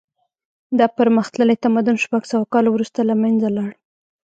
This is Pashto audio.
دا پرمختللی تمدن شپږ سوه کاله وروسته له منځه لاړ.